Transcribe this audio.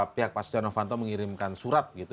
pihak pak stiano vanto mengirimkan surat gitu